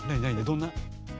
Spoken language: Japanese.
どんな？